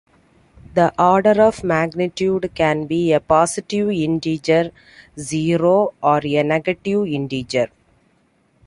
The order of magnitude can be a positive integer, zero, or a negative integer.